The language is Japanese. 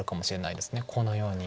このように。